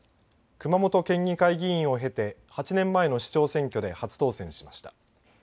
熊本県議会議員を経て８年前の市長選挙で初当選しました。